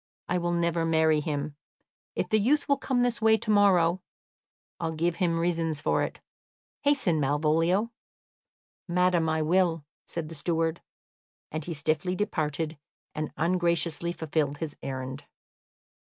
I will never marry him. If the youth will come this way to morrow, I will give him reasons for it. Hasten, Malvolio." "Madam, I will," said the steward; and he stiffly departed, and ungraciously fulfilled his errand.